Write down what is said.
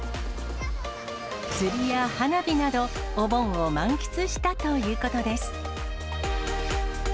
釣りや花火など、お盆を満喫したということです。